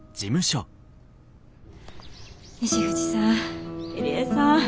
西口さん入江さん。